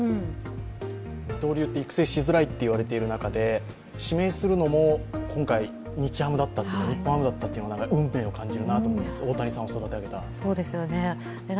二刀流って育成しづらいといわれている中で指名するのも今回、日ハムだったというのは運命を感じるなと思います、大谷さんを育て上げた。